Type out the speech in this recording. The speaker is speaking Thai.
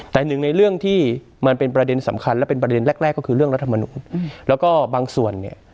แต่หนึ่งในเรื่องที่มันเป็นประเด็นสำคัญและเป็นประเด็นแรกแรกก็คือเรื่องรัฐมนุนแล้วก็บางส่วนเนี่ย